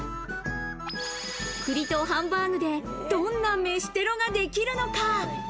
栗とハンバーグでどんな飯テロができるのか？